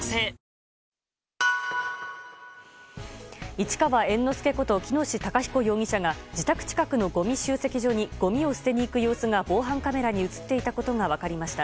市川猿之助こと喜熨斗孝彦容疑者が自宅近くのごみ集積所にごみを捨てに行く様子が防犯カメラに映っていたことが分かりました。